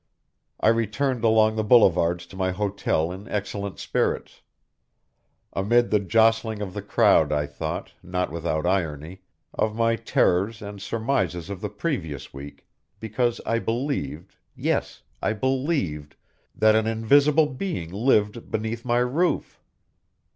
I returned along the boulevards to my hotel in excellent spirits. Amid the jostling of the crowd I thought, not without irony, of my terrors and surmises of the previous week, because I believed, yes, I believed, that an invisible being lived beneath my roof.